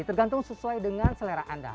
tergantung sesuai dengan selera anda